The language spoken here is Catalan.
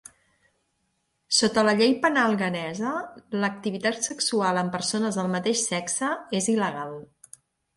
Sota la llei penal ghanesa, l'activitat sexual amb persones del mateix sexe és il·legal.